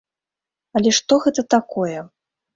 Але што гэта такое?